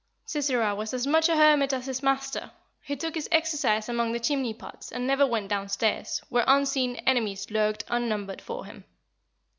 Sisera was as much a hermit as his master; he took his exercise among the chimney pots, and never went downstairs, where unseen enemies lurked unnumbered for him.